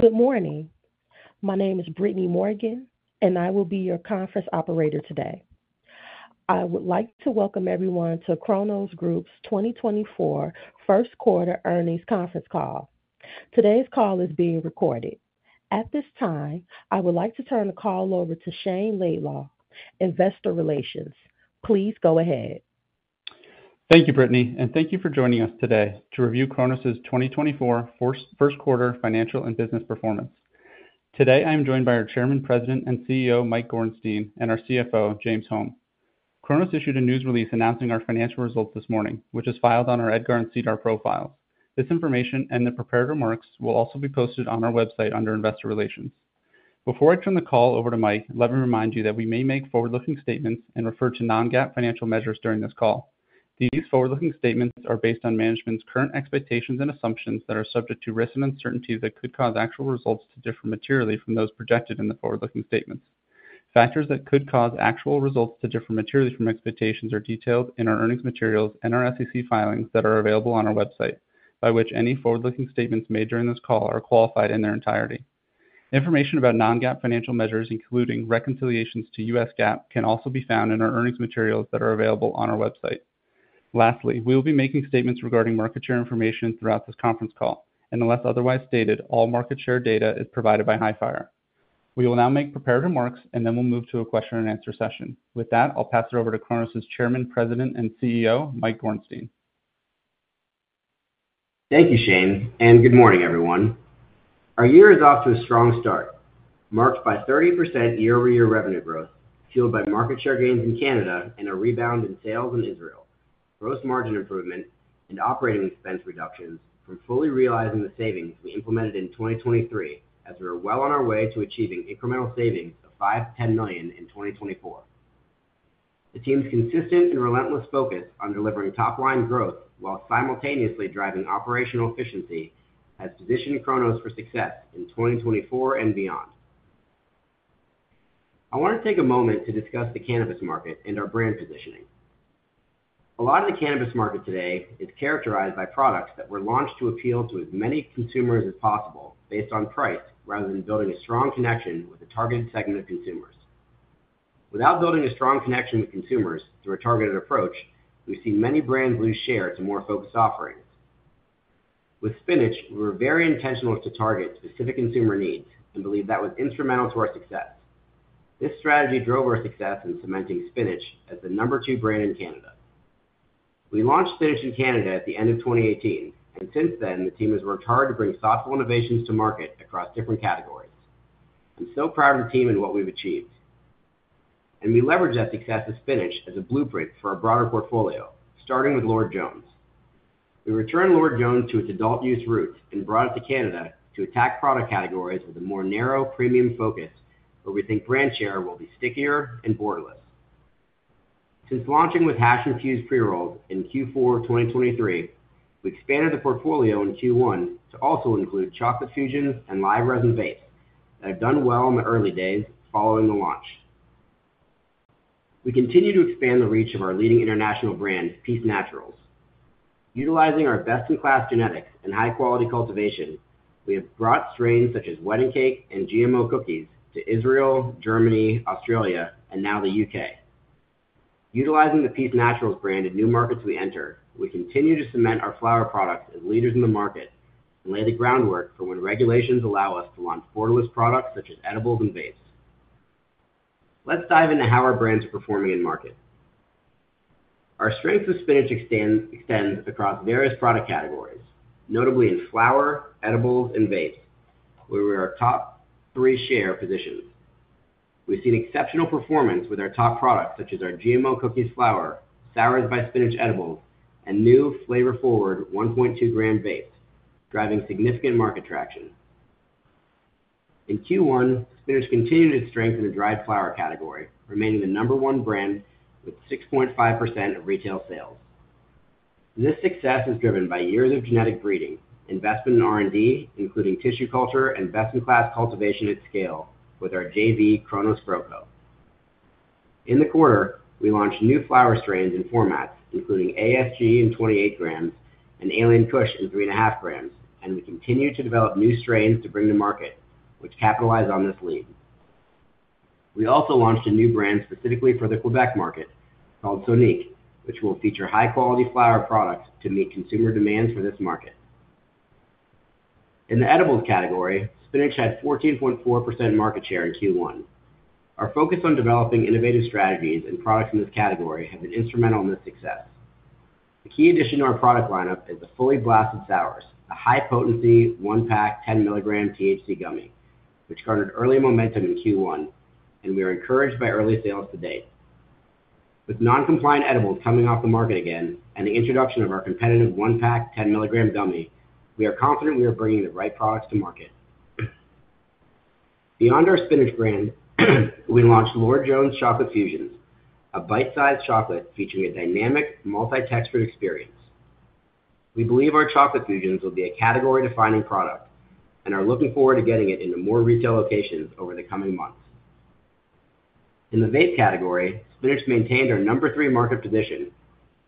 Good morning. My name is Brittany Morgan, and I will be your conference operator today. I would like to welcome everyone to Cronos Group's 2024 first quarter earnings conference call. Today's call is being recorded. At this time, I would like to turn the call over to Shayne Laidlaw, Investor Relations. Please go ahead. Thank you, Brittany, and thank you for joining us today to review Cronos' 2024 first quarter financial and business performance. Today, I am joined by our Chairman, President, and CEO, Mike Gorenstein, and our CFO, James Holm. Cronos issued a news release announcing our financial results this morning, which is filed on our EDGAR and SEDAR profile. This information and the prepared remarks will also be posted on our website under Investor Relations. Before I turn the call over to Mike, let me remind you that we may make forward-looking statements and refer to non-GAAP financial measures during this call. These forward-looking statements are based on management's current expectations and assumptions that are subject to risks and uncertainties that could cause actual results to differ materially from those projected in the forward-looking statements. Factors that could cause actual results to differ materially from expectations are detailed in our earnings materials and our SEC filings that are available on our website, by which any forward-looking statements made during this call are qualified in their entirety. Information about non-GAAP financial measures, including reconciliations to US GAAP, can also be found in our earnings materials that are available on our website. Lastly, we will be making statements regarding market share information throughout this conference call, and unless otherwise stated, all market share data is provided by Hifyre. We will now make prepared remarks, and then we'll move to a question-and-answer session. With that, I'll pass it over to Cronos' Chairman, President, and CEO, Mike Gorenstein. Thank you, Shane, and good morning, everyone. Our year is off to a strong start, marked by 30% year-over-year revenue growth, fueled by market share gains in Canada and a rebound in sales in Israel, gross margin improvement and operating expense reductions from fully realizing the savings we implemented in 2023, as we are well on our way to achieving incremental savings of $5 million-$10 million in 2024. The team's consistent and relentless focus on delivering top-line growth while simultaneously driving operational efficiency has positioned Cronos for success in 2024 and beyond. I want to take a moment to discuss the cannabis market and our brand positioning. A lot of the cannabis market today is characterized by products that were launched to appeal to as many consumers as possible based on price, rather than building a strong connection with a targeted segment of consumers. Without building a strong connection with consumers through a targeted approach, we've seen many brands lose share to more focused offerings. With Spinach, we were very intentional to target specific consumer needs and believe that was instrumental to our success. This strategy drove our success in cementing Spinach as the number two brand in Canada. We launched Spinach in Canada at the end of 2018, and since then, the team has worked hard to bring thoughtful innovations to market across different categories. I'm so proud of the team and what we've achieved, and we leverage that success of Spinach as a blueprint for our broader portfolio, starting with Lord Jones. We returned Lord Jones to its adult-use roots and brought it to Canada to attack product categories with a more narrow premium focus, where we think brand share will be stickier and borderless. Since launching with hash infused pre-rolls in Q4 2023, we expanded the portfolio in Q1 to also include Chocolate Fusions and Live Resin Vapes that have done well in the early days following the launch. We continue to expand the reach of our leading international brand, Peace Naturals. Utilizing our best-in-class genetics and high-quality cultivation, we have brought strains such as Wedding Cake and GMO Cookies to Israel, Germany, Australia, and now the U.K. Utilizing the Peace Naturals brand in new markets we enter, we continue to cement our flower products as leaders in the market and lay the groundwork for when regulations allow us to launch borderless products such as edibles and vapes. Let's dive into how our brands are performing in market. Our strength of Spinach extends across various product categories, notably in flower, edibles, and vapes, where we are a top three share positions. We've seen exceptional performance with our top products, such as our GMO Cookies flower, Sours by Spinach edibles, and new flavor-forward 1.2-gram vapes, driving significant market traction. In Q1, Spinach continued its strength in the dried flower category, remaining the number one brand with 6.5% of retail sales. This success is driven by years of genetic breeding, investment in R&D, including tissue culture and best-in-class cultivation at scale with our JV, Cronos GrowCo. In the quarter, we launched new flower strains and formats, including ASG in 28 grams and Alien Kush in 3.5 grams, and we continue to develop new strains to bring to market, which capitalize on this lead. We also launched a new brand specifically for the Quebec market called Sōnic, which will feature high-quality flower products to meet consumer demands for this market. In the edibles category, Spinach had 14.4% market share in Q1. Our focus on developing innovative strategies and products in this category have been instrumental in this success. The key addition to our product lineup is the Fully Blasted Sours, a high-potency one-pack 10-milligram THC gummy, which garnered early momentum in Q1, and we are encouraged by early sales to date. With non-compliant edibles coming off the market again and the introduction of our competitive one-pack 10-milligram gummy, we are confident we are bringing the right products to market. Beyond our Spinach brand, we launched Lord Jones Chocolate Fusions, a bite-sized chocolate featuring a dynamic multi-textured experience. We believe our Chocolate Fusions will be a category-defining product and are looking forward to getting it into more retail locations over the coming months. In the vape category, Spinach maintained our number 3 market position,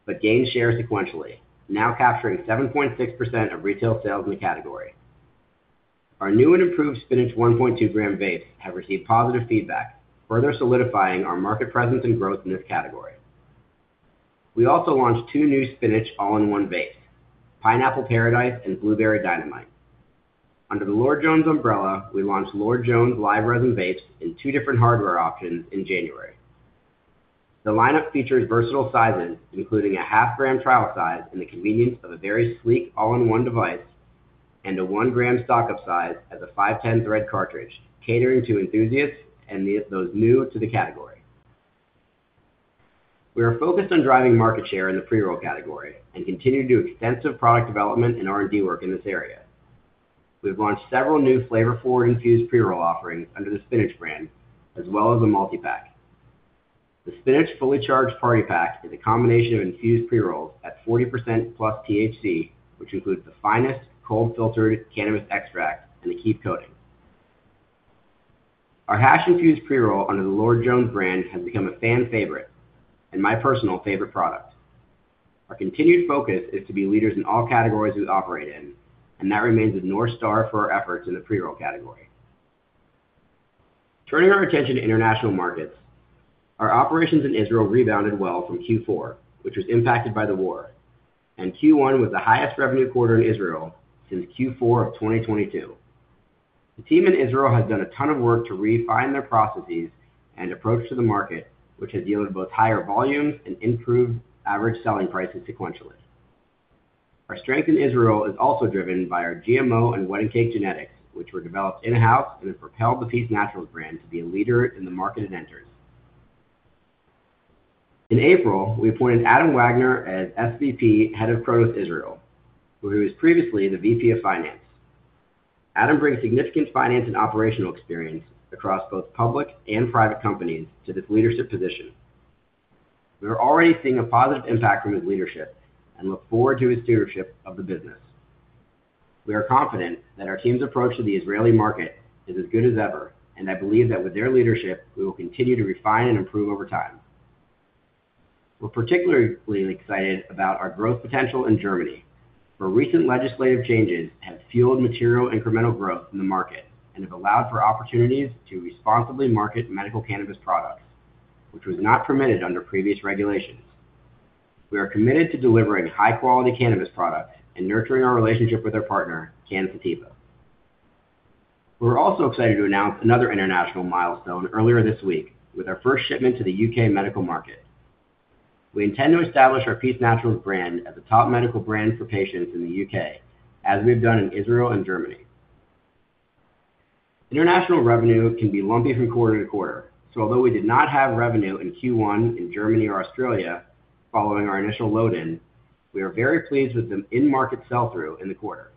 but gained share sequentially, now capturing 7.6% of retail sales in the category. Our new and improved Spinach 1.2-gram vapes have received positive feedback, further solidifying our market presence and growth in this category. We also launched two new Spinach all-in-one vapes: Pineapple Paradise and Blueberry Dynamite. Under the Lord Jones umbrella, we launched Lord Jones Live Resin Vapes in two different hardware options in January. The lineup features versatile sizes, including a half-gram trial size and the convenience of a very sleek all-in-one device, and a 1-gram stock-up size as a 510-thread cartridge, catering to enthusiasts and those new to the category. We are focused on driving market share in the pre-roll category, and continue to do extensive product development and R&D work in this area. We've launched several new flavor-forward infused pre-roll offerings under the Spinach brand, as well as a multi-pack. The Spinach Fully Charged Party Pack is a combination of infused pre-rolls at 40%+ THC, which includes the finest cold-filtered cannabis extract and a kief coating. Our hash-infused pre-roll under the Lord Jones brand has become a fan favorite, and my personal favorite product. Our continued focus is to be leaders in all categories we operate in, and that remains the North Star for our efforts in the pre-roll category. Turning our attention to international markets, our operations in Israel rebounded well from Q4, which was impacted by the war, and Q1 was the highest revenue quarter in Israel since Q4 of 2022. The team in Israel has done a ton of work to refine their processes and approach to the market, which has yielded both higher volumes and improved average selling prices sequentially. Our strength in Israel is also driven by our GMO and Wedding Cake genetics, which were developed in-house and have propelled the Peace Naturals brand to be a leader in the market it enters. In April, we appointed Adam Wagner as SVP, Head of Cronos Israel, where he was previously the VP of Finance. Adam brings significant finance and operational experience across both public and private companies to this leadership position. We are already seeing a positive impact from his leadership and look forward to his stewardship of the business. We are confident that our team's approach to the Israeli market is as good as ever, and I believe that with their leadership, we will continue to refine and improve over time. We're particularly excited about our growth potential in Germany, where recent legislative changes have fueled material incremental growth in the market and have allowed for opportunities to responsibly market medical cannabis products, which was not permitted under previous regulations. We are committed to delivering high-quality cannabis products and nurturing our relationship with our partner, Cansativa. We're also excited to announce another international milestone earlier this week with our first shipment to the UK medical market. We intend to establish our Peace Naturals brand as a top medical brand for patients in the UK, as we have done in Israel and Germany. International revenue can be lumpy from quarter to quarter. So although we did not have revenue in Q1 in Germany or Australia following our initial load-in, we are very pleased with the in-market sell-through in the quarter.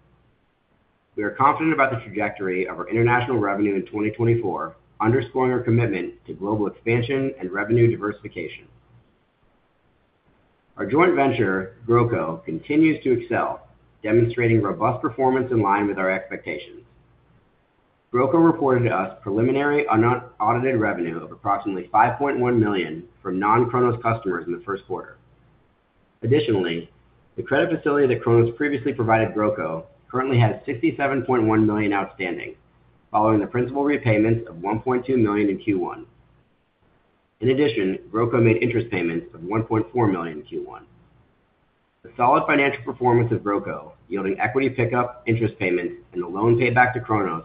We are confident about the trajectory of our international revenue in 2024, underscoring our commitment to global expansion and revenue diversification. Our joint venture, GrowCo, continues to excel, demonstrating robust performance in line with our expectations. GrowCo reported to us preliminary unaudited revenue of approximately $5.1 million from non-Cronos customers in the first quarter. Additionally, the credit facility that Cronos previously provided GrowCo currently has $67.1 million outstanding, following the principal repayments of $1.2 million in Q1. In addition, GrowCo made interest payments of $1.4 million in Q1. The solid financial performance of GrowCo, yielding equity pickup, interest payments, and a loan payback to Cronos,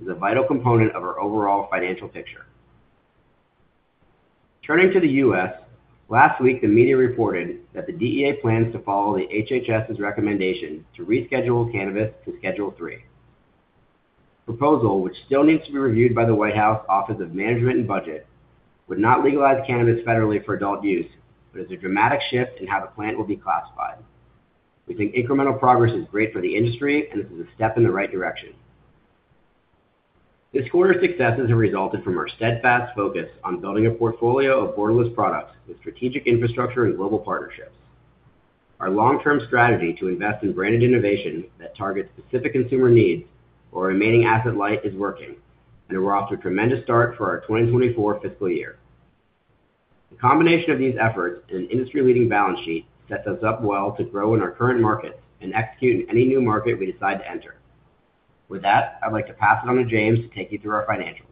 is a vital component of our overall financial picture. Turning to the U.S., last week, the media reported that the DEA plans to follow the HHS's recommendation to reschedule cannabis to Schedule III proposal, which still needs to be reviewed by the White House Office of Management and Budget, would not legalize cannabis federally for adult use, but is a dramatic shift in how the plant will be classified. We think incremental progress is great for the industry, and this is a step in the right direction. This quarter's successes have resulted from our steadfast focus on building a portfolio of borderless products with strategic infrastructure and global partnerships. Our long-term strategy to invest in branded innovation that targets specific consumer needs or remaining asset light is working, and we're off to a tremendous start for our 2024 fiscal year. The combination of these efforts and an industry-leading balance sheet sets us up well to grow in our current markets and execute in any new market we decide to enter. With that, I'd like to pass it on to James to take you through our financials.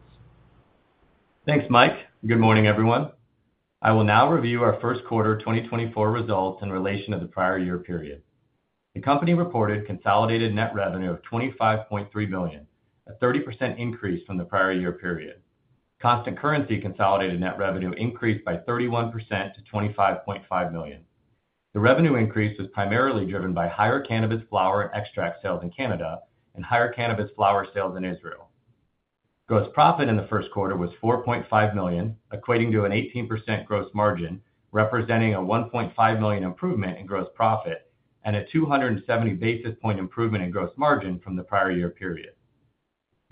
Thanks, Mike. Good morning, everyone. I will now review our first quarter 2024 results in relation to the prior year period. The company reported consolidated net revenue of $25.3 billion, a 30% increase from the prior year period. Constant currency consolidated net revenue increased by 31% to $25.5 million. The revenue increase was primarily driven by higher cannabis flower and extract sales in Canada, and higher cannabis flower sales in Israel. Gross profit in the first quarter was $4.5 million, equating to an 18% gross margin, representing a $1.5 million improvement in gross profit and a 270 basis point improvement in gross margin from the prior year period.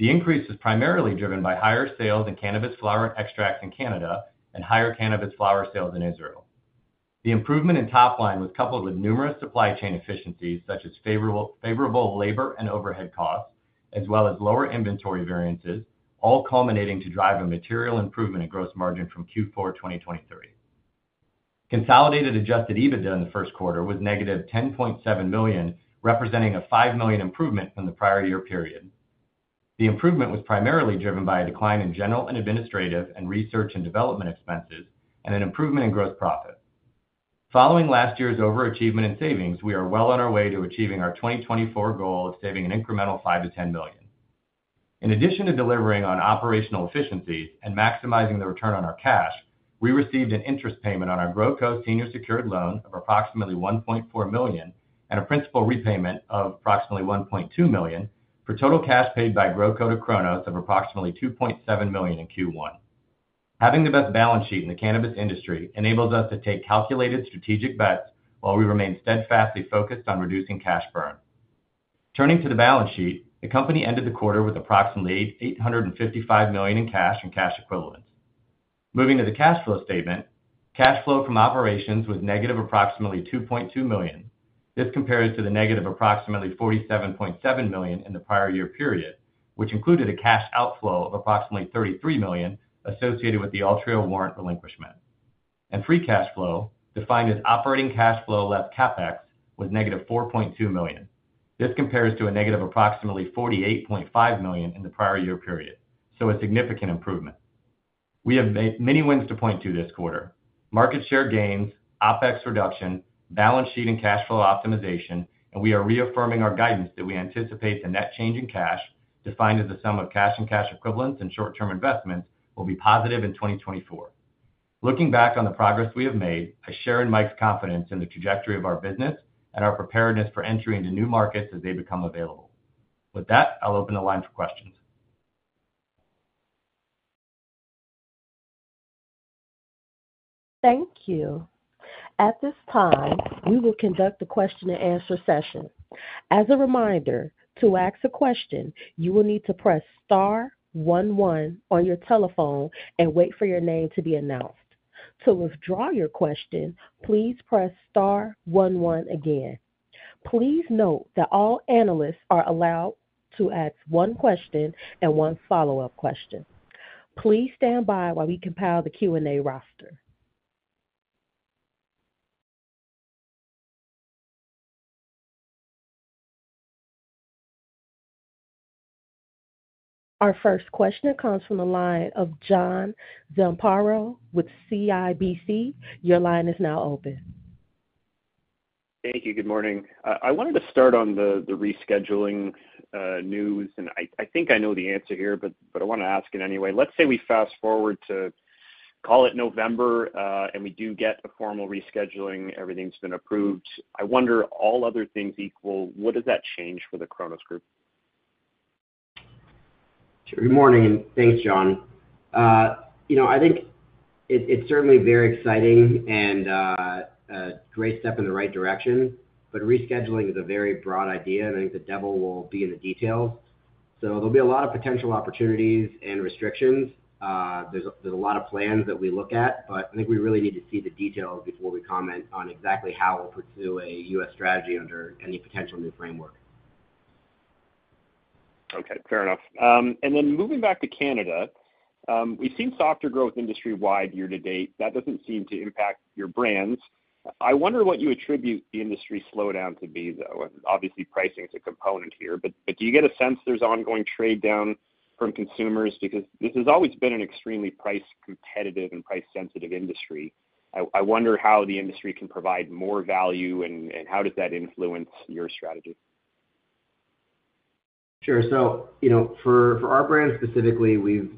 The increase was primarily driven by higher sales in cannabis flower and extracts in Canada and higher cannabis flower sales in Israel. The improvement in top line was coupled with numerous supply chain efficiencies, such as favorable labor and overhead costs, as well as lower inventory variances, all culminating to drive a material improvement in gross margin from Q4 2023. Consolidated Adjusted EBITDA in the first quarter was negative $10.7 million, representing a $5 million improvement from the prior year period. The improvement was primarily driven by a decline in general and administrative and research and development expenses and an improvement in gross profit. Following last year's overachievement in savings, we are well on our way to achieving our 2024 goal of saving an incremental $5-$10 million. In addition to delivering on operational efficiencies and maximizing the return on our cash, we received an interest payment on our GrowCo senior secured loan of approximately $1.4 million and a principal repayment of approximately $1.2 million, for total cash paid by GrowCo to Cronos of approximately $2.7 million in Q1. Having the best balance sheet in the cannabis industry enables us to take calculated strategic bets while we remain steadfastly focused on reducing cash burn. Turning to the balance sheet, the company ended the quarter with approximately $855 million in cash and cash equivalents. Moving to the cash flow statement, cash flow from operations was negative approximately $2.2 million. This compares to the negative approximately $47.7 million in the prior year period, which included a cash outflow of approximately $33 million associated with the Altria warrant relinquishment. Free cash flow, defined as operating cash flow less CapEx, was negative $4.2 million. This compares to a negative approximately $48.5 million in the prior year period, so a significant improvement. We have made many wins to point to this quarter. Market share gains, OpEx reduction, balance sheet and cash flow optimization, and we are reaffirming our guidance that we anticipate the net change in cash, defined as the sum of cash and cash equivalents and short-term investments, will be positive in 2024. Looking back on the progress we have made, I share in Mike's confidence in the trajectory of our business and our preparedness for entering into new markets as they become available. With that, I'll open the line for questions. Thank you. At this time, we will conduct a question-and-answer session. As a reminder, to ask a question, you will need to press star one one on your telephone and wait for your name to be announced. To withdraw your question, please press star one one again. Please note that all analysts are allowed to ask one question and one follow-up question. Please stand by while we compile the Q&A roster. Our first question comes from the line of John Zamparo with CIBC. Your line is now open. Thank you. Good morning. I wanted to start on the rescheduling news, and I think I know the answer here, but I want to ask it anyway. Let's say we fast-forward to, call it November, and we do get a formal rescheduling. Everything's been approved. I wonder, all other things equal, what does that change for the Cronos Group? Sure. Good morning, and thanks, John. You know, I think it, it's certainly very exciting and a great step in the right direction, but rescheduling is a very broad idea, and I think the devil will be in the details. So there'll be a lot of potential opportunities and restrictions. There's a lot of plans that we look at, but I think we really need to see the details before we comment on exactly how we'll pursue a U.S. strategy under any potential new framework. Okay, fair enough. And then moving back to Canada, we've seen softer growth industry-wide year to date. That doesn't seem to impact your brands. I wonder what you attribute the industry slowdown to be, though. Obviously, pricing is a component here, but do you get a sense there's ongoing trade down from consumers? Because this has always been an extremely price competitive and price-sensitive industry. I wonder how the industry can provide more value, and how does that influence your strategy? Sure. So, you know, for our brand specifically, we've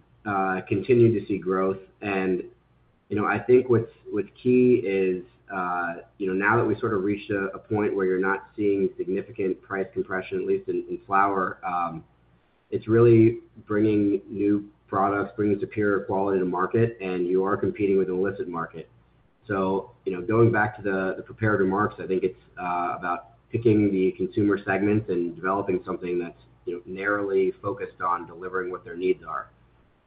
continued to see growth. And, you know, I think what's key is, you know, now that we've sort of reached a point where you're not seeing significant price compression, at least in flower, it's really bringing new products, bringing superior quality to market, and you are competing with the illicit market. So, you know, going back to the prepared remarks, I think it's about picking the consumer segments and developing something that's, you know, narrowly focused on delivering what their needs are.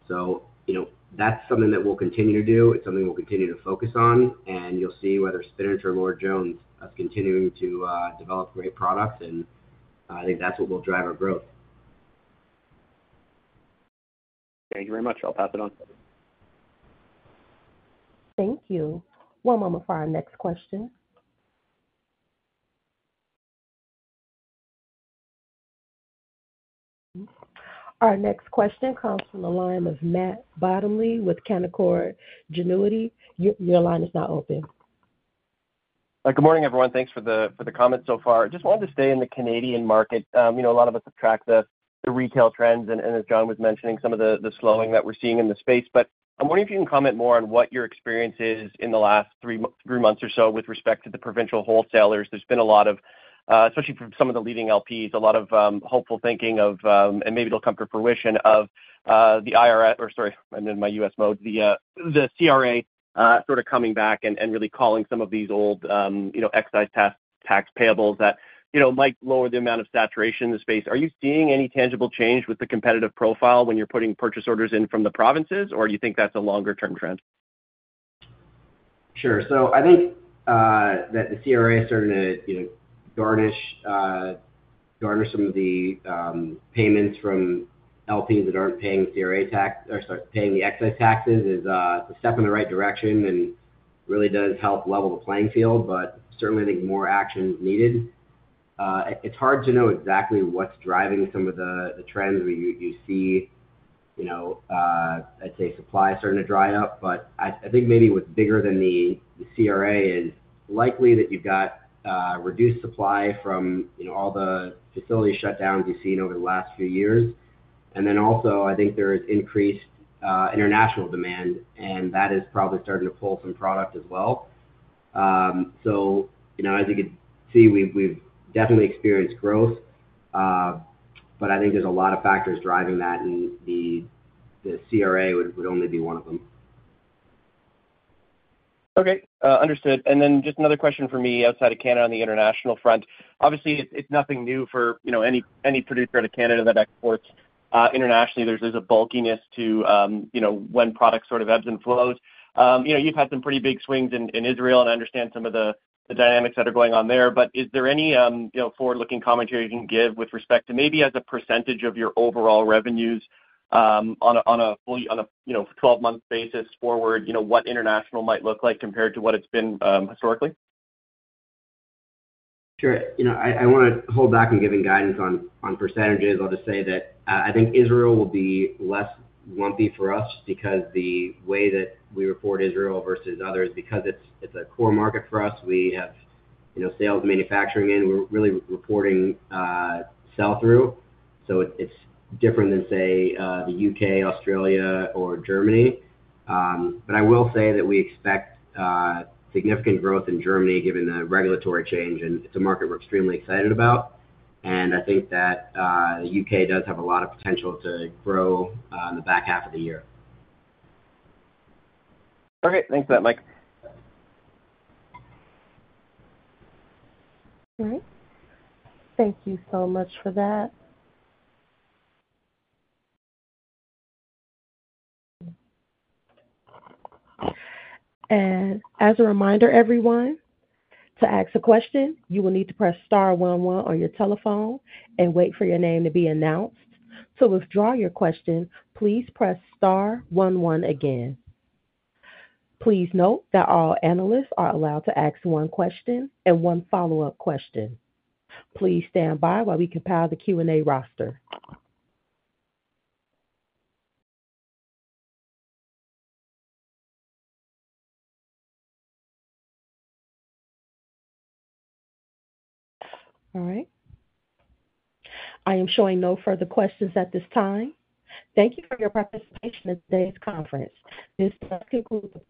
So, you know, that's something that we'll continue to do. It's something we'll continue to focus on, and you'll see, whether it's Spinach or Lord Jones, us continuing to develop great products, and I think that's what will drive our growth. Thank you very much. I'll pass it on. Thank you. One moment for our next question. Our next question comes from the line of Matt Bottomley with Canaccord Genuity. Your, your line is now open. Good morning, everyone. Thanks for the comments so far. Just wanted to stay in the Canadian market. You know, a lot of us have tracked the retail trends, and as John was mentioning, some of the slowing that we're seeing in the space. But I'm wondering if you can comment more on what your experience is in the last three months or so with respect to the provincial wholesalers. There's been a lot of, especially from some of the leading LPs, a lot of hopeful thinking of, and maybe it'll come to fruition, of, the IRS-- or sorry, I'm in my US mode. The, the CRA, sort of coming back and, really calling some of these old, you know, excise tax-... Tax payables that, you know, might lower the amount of saturation in the space. Are you seeing any tangible change with the competitive profile when you're putting purchase orders in from the provinces, or do you think that's a longer term trend? Sure. So I think that the CRA starting to, you know, garnish some of the payments from LPs that aren't paying the CRA tax or sorry, paying the excise taxes is a step in the right direction and really does help level the playing field, but certainly I think more action is needed. It's hard to know exactly what's driving some of the trends. You see, you know, I'd say supply starting to dry up, but I think maybe what's bigger than the CRA is likely that you've got reduced supply from, you know, all the facility shutdowns we've seen over the last few years. And then also, I think there is increased international demand, and that is probably starting to pull some product as well. So, you know, as you can see, we've definitely experienced growth, but I think there's a lot of factors driving that, and the CRA would only be one of them. Okay, understood. And then just another question for me, outside of Canada on the international front. Obviously, it's nothing new for, you know, any producer out of Canada that exports internationally. There's a bulkiness to, you know, when product sort of ebbs and flows. You know, you've had some pretty big swings in Israel, and I understand some of the dynamics that are going on there. But is there any, you know, forward-looking commentary you can give with respect to maybe as a percentage of your overall revenues, on a full twelve-month basis forward, you know, what international might look like compared to what it's been historically? Sure. You know, I want to hold back on giving guidance on percentages. I'll just say that I think Israel will be less lumpy for us because the way that we report Israel versus others, because it's a core market for us. We have, you know, sales manufacturing in. We're really reporting sell-through, so it's different than, say, the UK, Australia, or Germany. But I will say that we expect significant growth in Germany, given the regulatory change, and it's a market we're extremely excited about. And I think that the UK does have a lot of potential to grow in the back half of the year. Okay. Thanks for that, Mike. All right. Thank you so much for that. As a reminder, everyone, to ask a question, you will need to press star one one on your telephone and wait for your name to be announced. To withdraw your question, please press star one one again. Please note that all analysts are allowed to ask one question and one follow-up question. Please stand by while we compile the Q&A roster. All right. I am showing no further questions at this time. Thank you for your participation in today's conference. This does conclude the-